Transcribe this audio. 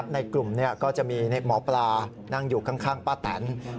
ในกลุ่มก็จะมีหมอปลานั่งอยู่ข้างป้าแตน